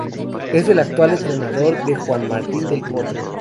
Es el actual entrenador de Juan Martin Del Potro.